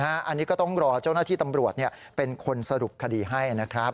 อันนี้ก็ต้องรอเจ้าหน้าที่ตำรวจเป็นคนสรุปคดีให้นะครับ